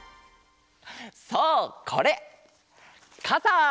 そうこれかさ！